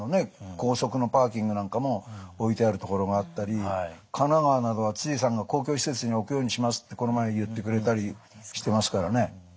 高速のパーキングなんかも置いてある所があったり神奈川などは知事さんが公共施設に置くようにしますってこの前言ってくれたりしてますからね。